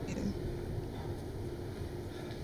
Adair moved to meet him.